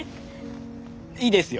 いいですよ。